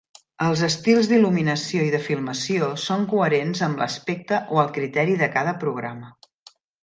Els estils d'il·luminació i de filmació són coherents amb l'"aspecte" o el criteri de cada programa.